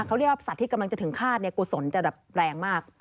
เขาเรียกว่าสัตว์ที่กำลังจะถึงฆาตกุศลจะแบบแรงมาก